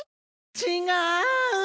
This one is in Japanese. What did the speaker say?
ちがう！